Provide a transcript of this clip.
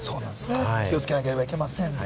気をつけなければなりません。